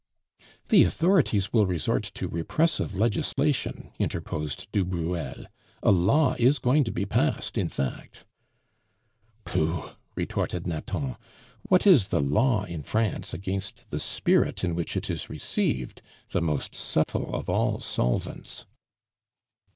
"The authorities will resort to repressive legislation," interposed du Bruel. "A law is going to be passed, in fact." "Pooh!" retorted Nathan. "What is the law in France against the spirit in which it is received, the most subtle of all solvents?"